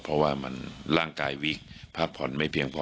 เพราะว่ามันร่างกายวิกพักผ่อนไม่เพียงพอ